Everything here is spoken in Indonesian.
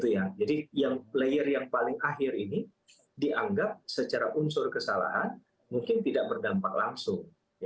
jadi yang player yang paling akhir ini dianggap secara unsur kesalahan mungkin tidak berdampak langsung